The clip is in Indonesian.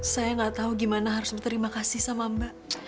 saya nggak tahu gimana harus berterima kasih sama mbak